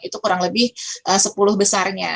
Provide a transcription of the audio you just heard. itu kurang lebih sepuluh besarnya